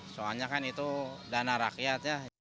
soalnya kan itu dana rakyat ya